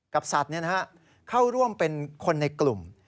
กับสัตว์นี้นะฮะเข้าร่วมเป็นคนในกลุ่ม